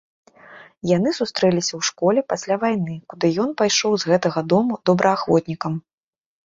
Яны сустрэліся ў школе пасля вайны, куды ён пайшоў з гэтага дому добраахвотнікам.